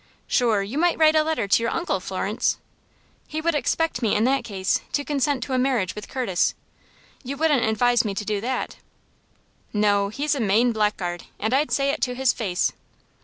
"Shure, you might write a letter to your uncle, Florence." "He would expect me, in that case, to consent to a marriage with Curtis. You wouldn't advise me to do that?" "No; he's a mane blackguard, and I'd say it to his face."